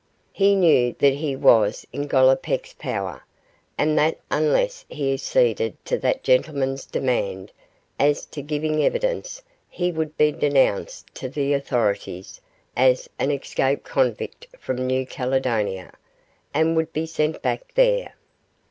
He knew that he was in Gollipeck's power, and that unless he acceded to that gentleman's demand as to giving evidence he would be denounced to the authorities as an escaped convict from New Caledonia, and would be sent back there.